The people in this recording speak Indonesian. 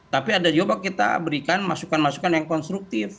tapi ada juga kita berikan masukan masukan yang konstruktif